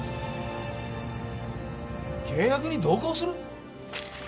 契約に同行する！？